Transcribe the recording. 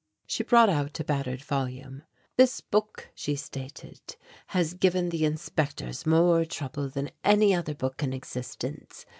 She brought out a battered volume. "This book," she stated, "has given the inspectors more trouble than any other book in existence.